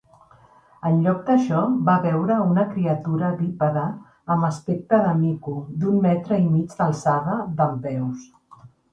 En lloc d'això, va veure una criatura bípede amb aspecte de mico, d'un metre i mig d'alçada, dempeus.